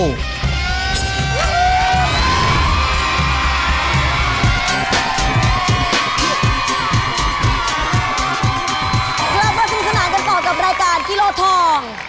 แล้วพอสิ้นขนาดกันก่อนกับรายการกิโลทอง